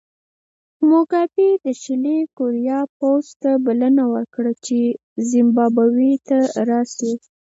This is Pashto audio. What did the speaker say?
موګابي د شلي کوریا پوځ ته بلنه ورکړه چې زیمبابوې ته راشي.